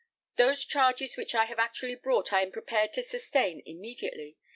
Those charges which I have actually brought I am prepared to sustain immediately.